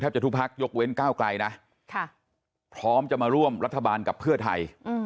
จะทุกพักยกเว้นก้าวไกลนะพร้อมจะมาร่วมรัฐบาลกับเพื่อไทย